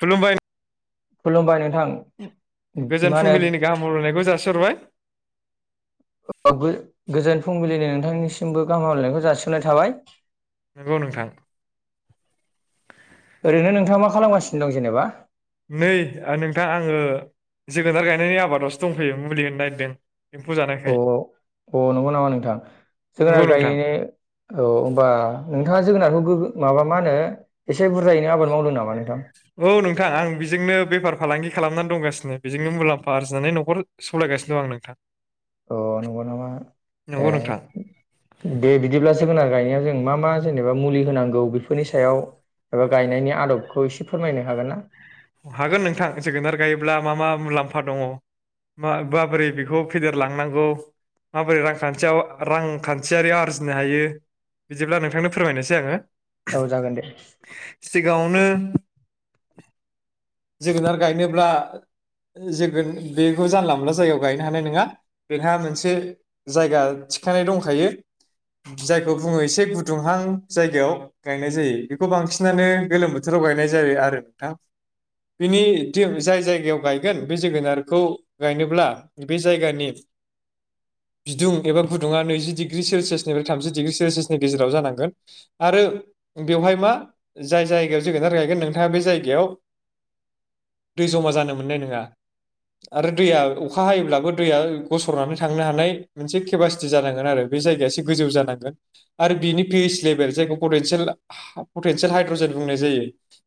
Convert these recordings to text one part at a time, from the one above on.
खुलुमबायबाय खुलुमबाय नोंथां। मा गोजोन फुंबिलिनि होनो गाहाम हामलायनायखौ जासिहरबाय। गो गोजोन फुंबिलिनि नोंथांनिसिमबो गाहाम हामलायनायखौ जासिहरनाय थाबाय। नंगौ नोंथां। ओरैनो नोंथाङा मा खालामगासिनो दं जेनेबा? नै नोंथां, आङो जोगोनार गायनायनि आबादावसो दंफैयो मुलि होनो नागिरदों। एम्फौ अ जानायखाय अ नंगौ नामा नोंथां? नंगौ जोगोनार नोंथां गायनो औ होनोमबा नों थाङा जोगोनारखौ गोगो माबा मा होनो एसे बुरजायैनो आबाद मावदों नामा नोंथां? औ नोंथां आं बेजोंनो बेफार फालांगि खालामनानै दंगासिनो बेजोंनो मुलाम्फ आरजिनानै नखर सालायगासिनो दं आं नोंथां। अ नंगौ नामा ए नंगौ नोंथां दे बिदिब्ला जोगोनार गायनायाव जो जों मा मा जेनेबा मुलि होनांगौ बेफोरनि सायाव एबा गायनायनि आदबखौ इसे फोरमायनो हागोन ना? हागोन नोंथां जोगोनार गायोब्ला मा मा मुलाम्फा दङ, मा माबोरै बेखौ फेदेरलांनांगौ? माबोरै रांखान्थियाव रांखान्थियारि आरजिनो हायो? बिदिब्ला नोंथांनो फोरमायनोसै आङो। औ जागोन दे [inaudible] सिगाङावनो जोगोनार गायनोब्ला जोगोन बेखौ जानला मोनला जायगायाव गायनो हानाय नङा बेहा मोनसे जायगा थिखानाय दंखायो जायखौ बुङो एसे गुदुंहां जायगायाव गायनाय जायो बेखौ बांसिनानो गोलोम बोथोराव गायनाय जायो आरो नोंथां। बिनि जाय जायगायाव गायगोन बे जोगोनारखौ गायनोब्ला बे जायगानि बिदुं एबा गुदुङा नैजि डिग्रि सेलसियासनिफ्राय थामजि डिग्रि सेलसियासनि गेजेराव जानांगोन आरो बेवहाय मा जाय जायगायाव जोगोनार गायगोन नोंथाङा बे जायगायाव दै जमा जानो मोननाय नङा आरो दैया अखा हायोब्लाबो दैया गसरनानै थांनो हानाय मोनसे केपासिटि जानांगोन आरो बे जायगाया एसे गोजौ जानांगोन आरो बिनि पिइस लेभेल जायखौ पटेनसियेल पटेनसियेल हाइड्रजेन बुंनाय जायो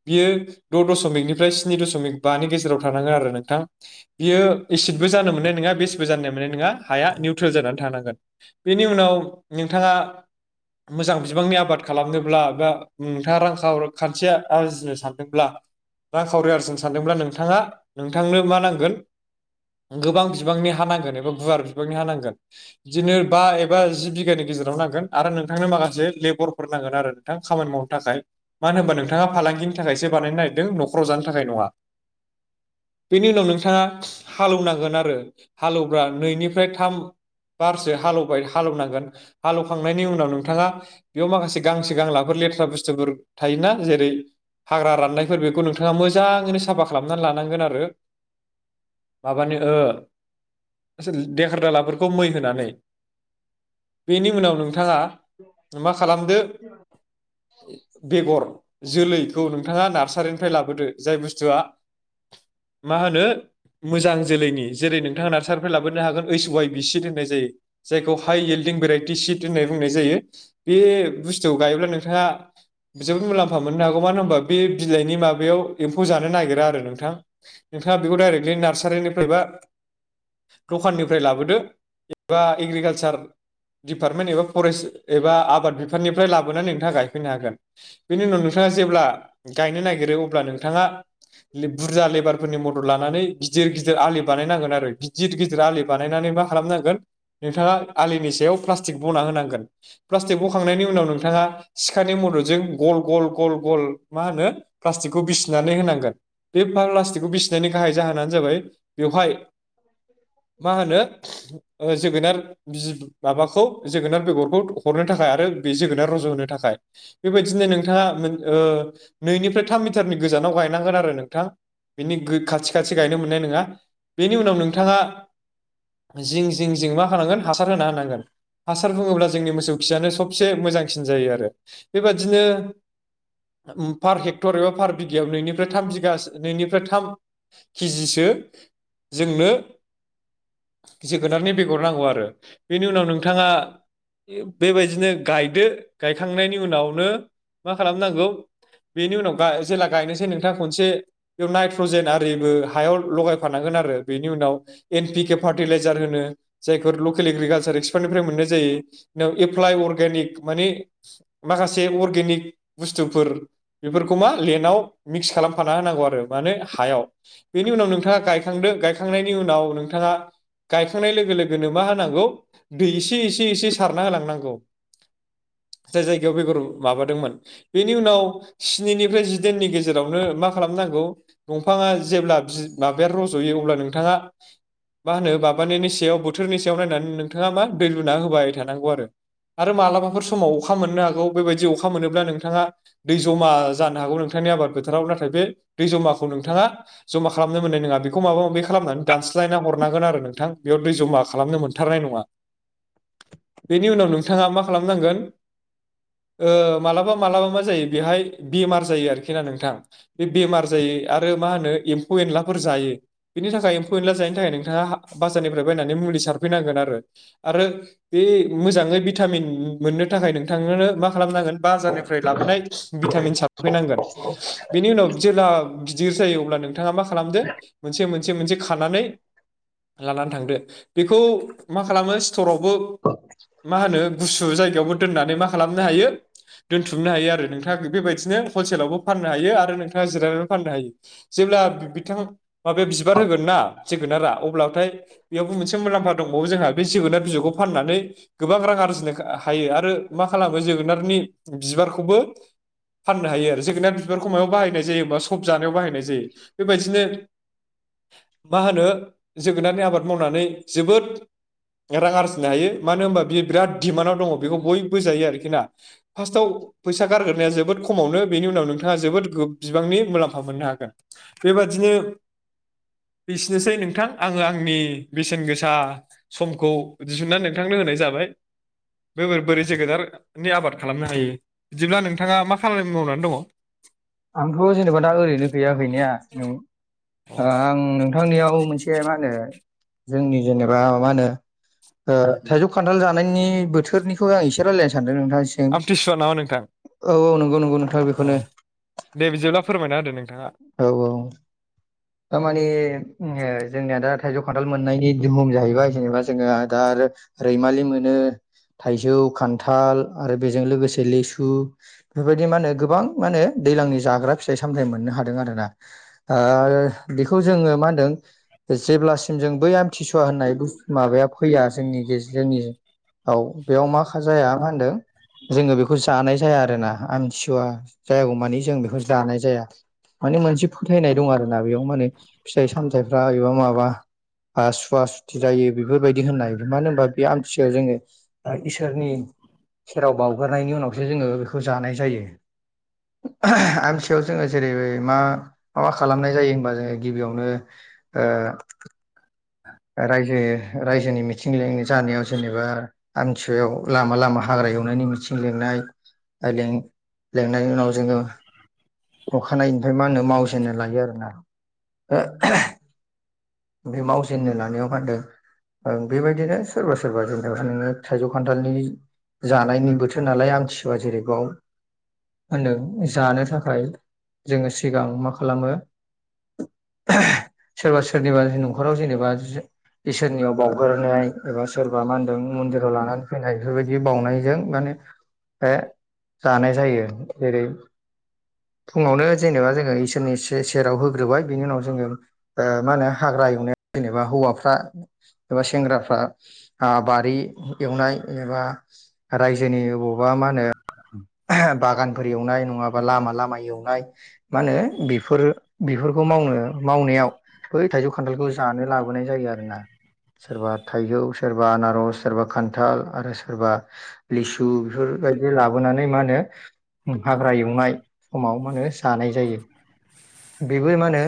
बियो द दमिकनिफ्राय स्नि दशमिक बानि गेजेराव थानांगोन आरो नोंथां बियो एसिडबो जानो मोननाय नङा बेसबो जानाय मोननाय नङा हाया निउट्रेल जानानै थानांगोन। बेनि उनाव नोंथाङा मोजां बिबांनि आबाद खालामनोब्ला बा नोंथाङा रां खाव-खान्थिया आरजिनो सानदोंब्ला रां खावरि आरजिनो सानदोंब्ला नोंथाङा नोंथांनो मा नांगोन गोबां बिबांनि हा नांगोन एबा गुवार बिबांनि हा नांगोन बिदिनो बा एबा जि बिगानि गेजेराव नांगोन आरो नोंथांनो माखासे लेबरफोर नांगोन आरो नोंथां खामानि मावनो थाखाय मानो होनबा नोंथाङा फालांगिनि थाखायसो बानायनो नागिरदों नखराव जानो थाखाय नङा। बेनि उनाव नोंथाङा हालौनांगोन आरो हालौब्रा नैनिफ्राय थाम बारसो हालौबाय हालौनांगोन हालौखांनायनि उनाव नोंथाङा बेयाव माखासे गांसो गांलाफोर लेथ्रा बुस्थुफोर थायोना जेरै हाग्रा राननाय फोर बेखौ नोंथाङा मोजाङैनो साफा खालामनानै लानांगोन आरो माबानो ओ देखार दालाफोरखौ मै होनानै बेनि उनाव नोंथाङा मा खालामदो [inaudible] बेगर, जोलै [unintelligible] नोंथाङा नार्स सारिनिफ्राय लाबोदो जाय बुस्थुआ मा होनो मोजां जोलैनि जेरै नोंथाङा नार्सारिनिफ्राय लाबोनो हागोन ओइस वाइ बि सिद होननाय जायो जायखौ हाइ एल्डिं भेराइटि सिट होननाय बुंनाय जायो बे बुस्थु गायोब्ला नोंथाङा जोबोद मुलामफा मोननो हागौ मानो होनोबा बे बिलाइनि माबायाव एम्फौ जानो नागिरा आरो नोंथां नोंथाङा बेखौ डायरेक्टलि नार्सारिनिफ्राय बा दखाननिफ्राय लाबोदो एबा एग्रिकालसार दिडिपार्टमेन्ट एबा फरेस्ट एबा आबाद बिफाननिफ्राय लाबोनानै नोंथाङा गायफैनो हागोन बेनि उनाव नोंथाङा जेब्ला गायनो नागिरो अब्ला ले- नोंथाङा बुरजा लेबारफोरनि मदद लानानै गिदिर गिदिर आलि बानायनांगोन आरो गिदिर गिदिर आलि बानायनानै मा खालामनांगोन नोंथाङा आलिनि सायाव प्लास टिक बना होनांगोन प्लास्टिक बखांनायनि उनाव नोंथाङा सिखानि मददजों गल गल गल गल मा होनो प्लास्टिकखौ बिसिनानै होनांगोन बे प्लास्टिकखौ बिसिनायनि गाहाय जाहोनानो जाबाय बेवहाय मा होनो जोगोनार बि माबाखौ जोगोनार बेगरखौ हरनो थाखाय आरो बे जोगोनार रज' होनोनो थाखाय बेबायदिनो नोंथाङा ओ नैनिफ्राय थाम मिटारनि गोजानाव गायनांगोन आरो नोंथां बेनि गो- खाथि खाथि गायनो मोननाय नङा। बेनि उनाव नोंथाङा जिं जिं जिं मा होनांगोन हासार होना होनांगोन हासार बुङोब्ला जोंनि मोसौ खियानो सबसे मोजांसिन जायो आरो बेबादिनो उम पार हेक्टर एबा पार बिगायाव नोंनिफ्राय थाम बिगासो नैनिफ्राय थाम केजिसो जोंनो जोगोनारनि बेगर नांगौ आरो बेनि उनाव नोंथाङा बेबायदिनो गायदो गायखांनायनि उनावनो मा खालामनांगौ बेनि उनाव गाय जेला गायनोसै नोंथाङा खनसे बेयाव नाइट्रजेन आरिबो हायाव लगायफानांगोन आरो बेनि उनाव एन पि केे फार्टिलाइजार होनो जायफोर लकेल एग्रिकालसार एक्सपार्टनिफ्राय मोननाय जायो बेनाव एप्लाइ अर्गेनिक माने माखासे अर्गेनिक बुस्थुफोर बेफोरखौ मा लेन्डाव मिक्स खालामफाना होनांगौ आरो मानोे हायाव बेनि उनाव नोंथाङा गायखांदो गायखांनायनि उनाव नोंथाङा गायखांनाय लोगो लोगोनो मा होनांगौ दै एसे एसे एसे सारना होलांनांगौ जाय जायगायाव बेगर माबादोंमोन बेनि उनाव स्निनिफ्राय जिदाइननि गेजेरावनो मा खालामनांगौ दंफाङा जेब्ला माबाया रजयो अब्ला नोंथाङा मा होनो माबानिनि सायाव बोथोरनि सायाव नायनानै नोंथाङा मा दै लुना होबाय थानांगौ आरो आरो मालाबाफोर समाव अखा मोननो हागौ बेबायदि अखा मोनोब्ला नोंथाङा दै जमा जानो हागौ नोंथांनि आबाद फोथोराव नाथाय बे दै जमाखौ नोंथाङा जमा खालामनो मोननाय नङा बेखौ माबा माबि खालामनानै दानस्लायना हरनांगोन आरो नोंथां बेयाव दै जमा खालामनो मोनथारनाय नङा बेनि उनाव नोंथाङा मा खालामनांगोन ओ मालाबा मालाबा मा जायो बेहाय बेमार जायो आरोखि ना नोंथां बे बेमार जायै आरो मा होनो एम्फौ एनलाफोर जायो बेनि थाखाय एम्फौ एनला जायैनि थाखाय नोंथाङा बाजारनिफ्राय बायनानै मुलि सारफैनांगोन आरो आरो बे मोजाङै भिटामिन मोननो थाखाय नोंथांनो मा खालामनांगोन बाजारनिफ्राय लाबोनाय भिटामिन साबफैनांगोन बेनि उनाव जेब्ला गिदिर जायो अब्ला नों नोथाङा मा खालामदो मोनसे मोनसे मोनसे खानानै लानानै थांदो बेखौ मा खालामो? थर'खौ मा होनो गुसु जायगायावबो दोनानै मा खालामनो हायो दोनथुमनो हायो आरो नोंथाङा बेबायदिनो हलसेलावबो फाननो हायो आरो नोंथाङा जिरायनानैबो फाननो हायो जेब्ला बिथां माबाया बिबार होगोन ना जोगोनारा अब्लाथाय बेयावबो मोनसे मुलाम्फा दंबावो जोंहा बे जोगोनार बिजौखौ फाननानै गोबां रां आरजिनो हायो आरो मा खालामो जोगोनारनि बिबारखौबो फाननो हायो आरो जोगोनार बिबारखौ मायाव बाहायनाय जायो बा सब जानायाव बाहायनाय जायो बेबायदिनो मा होनो जोगोनारनि आबाद मावनानै जोबोद रां आरजिनो हायो मानो होनबा बि बिराद दिमान्डआव दङ बेखौ बयबो जायो आरोखि ना फार्स्टआव फैसा गारगोन जोबोद खमावनो बेनि उनाव नोंथाङा जोबोद बिबांनि मुलाम्फा मोननो हागोन। बेबादिनो एसेनोसै नोंथां आङो आंनि बेसेन गोसा समखौ दिहुननानै नोंथांनो होनाय जाबाय, बोरै बोरै जोगोनारनि आबाद खालामनो हायो। बिदिब्ला नोंथां नोंथाङा मा खामानि मावनानै दङ? आंथ जेनेबा दा ओरैनो गैया गैनाया नों आं नोंथांनियाव मोनसे मा होनो जोंनि जेनेबा मा होनो ओ थाइजौ खान्थाल जानायनि बोथोरनिखौ आं एसे रायजलायनो सानदों नोंथांसिम आमथिसुवा नामा नोंथां औ औ नंगौ नंगौ नोंथां अ बेखौनो दे बिदिब्ला फोरमायना होदो नोंथाङा औ औ थारमाने ओ जोंनिया दा थाइजौ खान्थाल मोननायनि दोहोम जाहैबाय जेनेबा जोङो दा आरो रैमालि मोनो, थाइजौ खान्थाल आरो बेजों लोगोसे लिसु बेफोरबायदि मा होनो गोबां मा होनो दैज्लांनि जाग्रा फिथाइ सामथायाइ मोननो हादों आरोना, ओ बेखौ जोङो मा होनदों जेब्लासिम जों बै आमथिसुवा होनना माबाया फैया जोंनि जोंनिआव बेयाव मा जाया मा होनदों जोङो बेखौ जानाय जाया आरो ना आमथिसुवा जायागौ मानि जों बेखौ जानाय जाया माने मोनसे फोथायनाय दं आरोना बेयाव माने फिथाइ सामथाइफ्रा एबा माबा सुवा सुथि जायो बेफोरबायदि होननाय मानो होनबा बे आमथियाव जोङो इसोरनि सेराव बावग्रोनायनि उनावसो जोङो बेखौ जानाय जायो आमथियाव जोङो जेरै मा मा मा खालामनाय जायो होमबा जोङो गिबियावनो ओ रायजो रायजोनि मिथिं लेंन जानायाव जेनेबा आमथिसुवायाव लामा लामा हाग्रा एवनायनि मिथिं लिंनाय आइलें लेंनायनि उनाव जोङो अखानायैनिफ्राय मा होनो मावजेननो लायो आरोना बे माव जेननो लानायाव मा होन्दों बेबायदिनो सोरबा सोरबा जेनब नो थाइजौ खान्थालनि जानायनि बोथोर नालाय आमथिसुवा जेरैबाव होनदों जानो थाखाय जोङो सिगां मा खालामो सोरबा सोरनिबा नखराव जेनेबा बा इसोरनियाव बावग्रोनाय एबा सोरबा मा होनदों मन्दिराव लानानै फैनाय बेफोरबायदि बावउनायजों माने ए जानाय जायो । जेरै फुङावनो जेनेबा जोङो इसोरनि से-सेराव होग्रोबाय बिनि उनाव जोङो ओ मा होनो हाग्रा एवनाय जेनेबा हौवाफ्रा एबा सेंग्राफ्रा आ बारि एवनाय एबा रायजोनि बबावबा मा होनो बागानफोर एवनाय नङाबा लामा लामा एवनाय मा होनो बेफोरो बेफोरखौ मावनो मावनायाव बै थाइजौ खान्थालखौ जानो लाबोनाय जायो आरोना सोरबा थाइजौ सोरबा आनारस सोरबा खान्थाल आरो सोरबा लिसु बेफोरबायदि लाबोनानै मा होनो हाग्रा एवनाय समाव मा होनो जानाय जायो बेबो मा होनो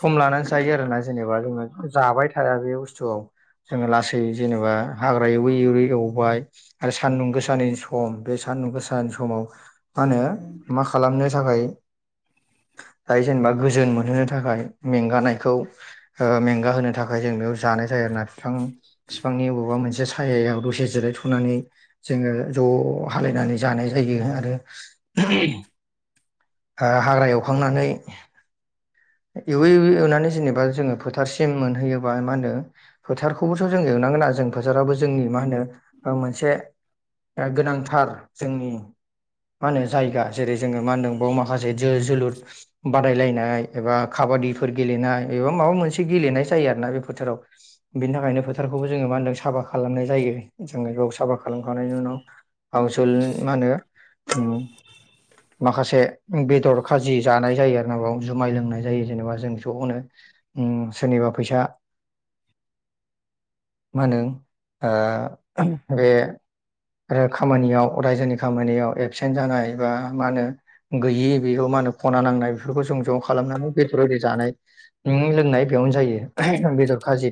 सम लानानै जायो आरोना जेनेबा जोङो जाबाय थाया । बे बुस्थुआव जोङो लासै जेनेबा हाग्रा एवै एवै एवबाय आरो सान्दुं गोसानि सम बे सान्दुं गोसानि समाव मा होनो मा खालामनो थाखाय दाय जेनेबा गोजोन मोनहोनो थाखाय मेंगानायखौ मेंगाहोनो थाखाय जों बेयाव जानाय जायो आरोना बिफां बिफांनि बबावबा मोनसे सायायाव दसे जिरायथनानै जोङो ज हालायनानै जानाय जायो आरो हाग्रा एवखांनानै एवै एवै एवनानै जेनेबा जोङो फोथारसिम मोनहैयोबा मा होनो फोथारखौबोथ जों एवनांगोना जों फोथाराबो जोंनि मा होनो मोनसे ओ गोनांथार जोंनि मा होनो जायगा जेरै जोङो मा होनदों बाव माखासे जो जोलुर बादायलायनाय एबा काबादिफोर गेलेनाय एबा माबा मोनसे गेलेनाय जायो आरोना बे फोथाराव बेनि थाखायनो फोथारखौबो जोङो मा होनदों साफा खालामनाय जायो जोङो बेाव साफा खालाम खालामखांनायनि उनाव आवसोल मा होनो ओं माखासे बेदर खाजि जानाय जायो आरो ना बाव जुमाय लोंनाय जायो जेनेबा जों जनो ओ सोरनिबा फैसा मा होनो ओ बे खामानियाव रायजोनि खामानियाव एबसेन्ट जानाय बा मा होनो गैयि बेखौ मा होनो खना नांनाय बेफोरखौ ज खालामनानै बेदर एरै जानाय लोंनाय बेयावनो जायो बेदर खाजि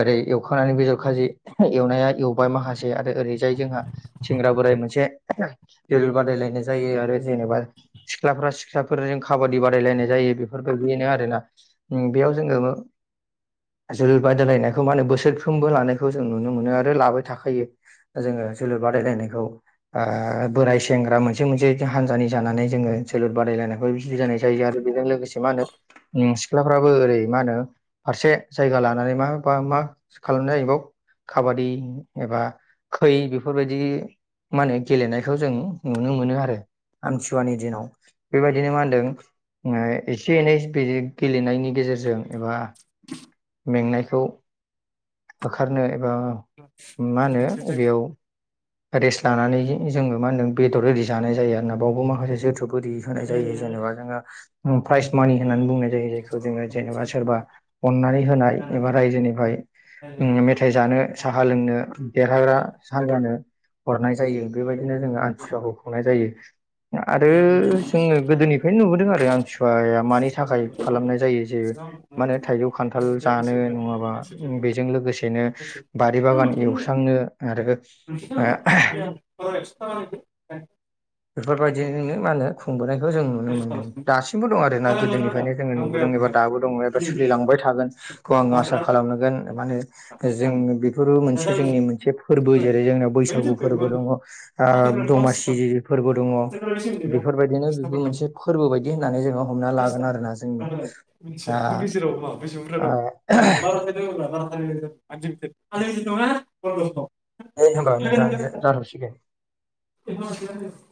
ओरै एवखांनानै बेदर खाजि एवनाया एवबाय माखासे आरो ओरैजाय जोंहा सेंग्रा बोराय मोनसे जोलुर बादायलायनाय जायो आरो जेनेबा सिख्लाफ्रा सिख्ला खाबादि बादायलायनाय जायो बेफोरबायदियैनो आरोना बेयाव जोङो जोलुर बादायलायनायखौ मा होनो बोसोरफ्रोमबो लानायखौ जों नुनो मोनो आरो लाबाय थाखायो जोङो जोलुर बादायलायनायखौ आ बोराय सेंग्रा मोनसे मोनसे हानजानि जानानै जोङो जोलुर बादायलायनाय बे बिदि [unintelligible] जानाय जायो आरो बेजों लोगोसे मा होनो [unintelligible] सिख्लाफ्राबो ओरै मा होनो फारसे जायगा लानानै मा बा मा खालामनाय जायोैबाव खाबादि एबा खै बेफोरबायदि मा होनो गेलेनायखौ जों नुनो मोनो आरो आमथिसुवा नि दिनाव बेबायदि बिदिनो मा होनदों ओ एसे एनै गेलेनायनि गेजेरजों एबा मेंनायखौ होखारनो ओ मा होनो बेयाव रेस्ट लानानै जोङो मा होनदों बेदर ओरि जानाय जायो आरो ना बावबो माखासे जोथोब बोरै होनाय जायो जेनेबा जोङो प्राइज मानि होननानै बुंनाय जायो जायखौ जोङो जेनेबा सोरबा अननानै होनाय एबा रायजोनिफ्राय मेथाइ जानो साहा लोंनो देरहाग्रा साहा जानो हरनाय जायो बेबायदि बिदिनो जोङो आमथिसुवाखौ खुंनाय जायो आरो जोङो गोदोनिफ्रायनो नुबोदों आरो आमथिसुवाया मानि थाखाय खालामनाय जायो जे मानो थाइजौ खान्थाल नोंनिफ्राय जानो बेसेयाव लांनाय नङाबा बेजों लोगोसेनो बारि बागान एवस्रांनो आरो [unintelligible] [unintelligible] बेफोरबायदिनिनो मा होनो खुंबोनाय बेखौ जों नुनो मोनदों दासिमबो दं आरो ना गोदोनिफ्रायनो जोङो नुबोदों एबा दाबो दङ एबा सोलिलांबाय थागोनखौ आं आसा खालामनांगोन महोनो जों बेफोरबो मोनसे जोंनि मोनसे फोरबो जेरै जोंनयाव बैसागु फोरबो ओ दङ दमासि [unintelligible] दङ बेफोरबायदिनो फोरबो बायदि होननानै जोङो हमना लागोन आरोना जोंबो मिथिया दा हर गेजेराव मा बेसे बुरजा ओ दं आनलिमिटेड [unintelligible] [unintelligible] [unintelligible] दे होनबा नोंथांजो बन्द' जाथ'सिगोन ।